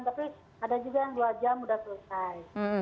tapi ada juga yang dua jam sudah selesai